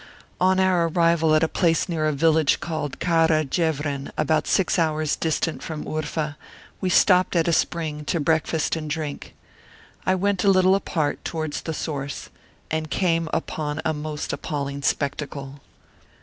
On our arrival at a place near a village called Kara Jevren, about six hours distant from Urfa, we stopped at a spring to breakfast and drink. I went a little apart, towards the source, and came upon a most appalling spectacle.